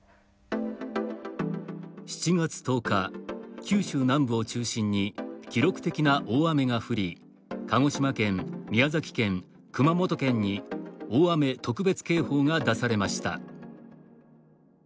７月１０日、九州南部を中心に記録的な大雨が降り鹿児島県、宮崎県、熊本県に大雨特別警報が出されました。